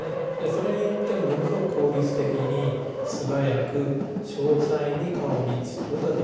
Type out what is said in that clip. それによってものすごく効率的に素早く詳細に顔を認知することができると。